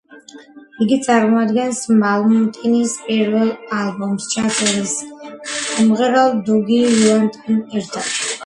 იგი წარმოადგენს მალმსტინის პირველ ალბომს ჩაწერილს მომღერალ დუგი უაიტთან ერთად.